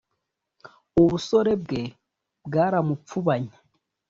ubusore bwe bwaramupfubanye